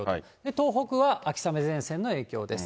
東北は秋雨前線の影響です。